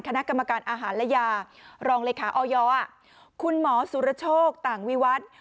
คณะกรรมการอาหารและยารองเลขาออยคุณหมอสุรโชคต่างวิวัตร